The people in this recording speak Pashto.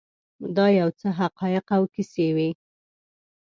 دا یو څه حقایق او کیسې وې.